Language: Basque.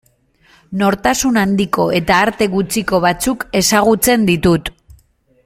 Nortasun handiko eta arte gutxiko batzuk ezagutzen ditut.